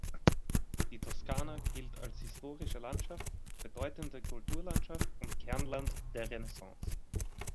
Die Toskana gilt als historische Landschaft, bedeutende Kulturlandschaft und Kernland der Renaissance.